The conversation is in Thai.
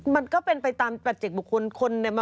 มันก็เป็นไปตาม